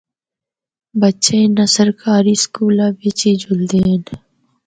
بچے اناں سرکاری سکولاں بچ ای جُلدے ہن۔